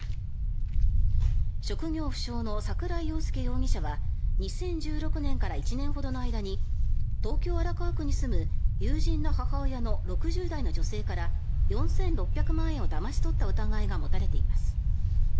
職業不詳の櫻井庸輔容疑者は２０１６年から１年ほどの間に東京・荒川区に住む友人の母親の６０代の女性から４６００万円をだまし取った疑いが持たれています。